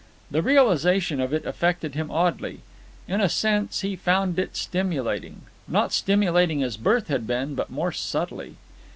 The realization of it affected him oddly. In a sense, he found it stimulating; not stimulating as birth had been, but more subtly.